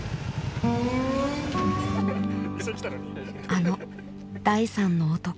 あの「第３の男」